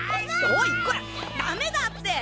おいこらダメだって！